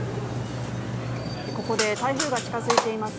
ここで台風が近づいています